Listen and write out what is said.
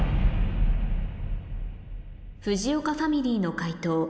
藤岡ファミリーの解答